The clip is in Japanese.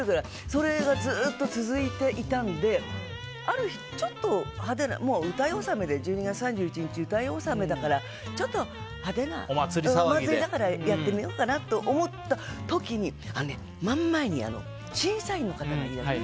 それがずっと続いていたんである日、ちょっと派手な１２月３１日、歌い納めでちょっと派手なお祭りだからやってみようかなと思った時に真ん前に審査員の方がいらっしゃる。